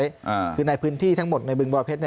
มกราบมีการประกาศใช้คือในพื้นที่ทั้งหมดในบริเวณบริเวณเพชร